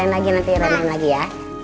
ini gini caranya ya